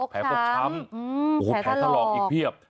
แผลปกช้ำแผลทะลอกอีกเพียบ